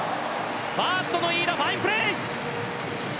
ファーストの飯田ファインプレー！